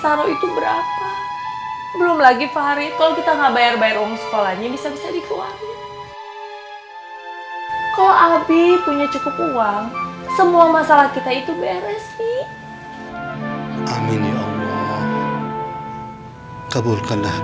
abie tuh mikirin keadaan kita yang sebenarnya